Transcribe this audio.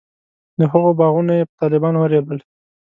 د هغوی باغونه یې په طالبانو ورېبل.